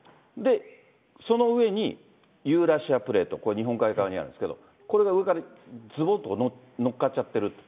その上に、ユーラシアプレート、これ、日本海側にあるんですけど、これが上からずぼっと乗っかっちゃってる。